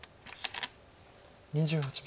２８秒。